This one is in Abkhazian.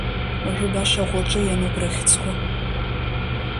Уажәы баша аӷәаҿы иануп рыхьӡқәа.